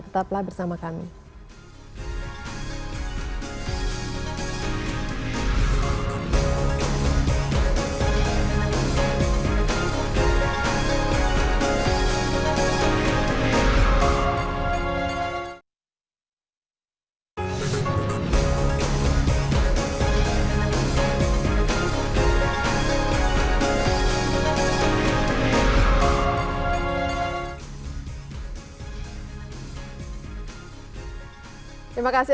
tetaplah bersama kami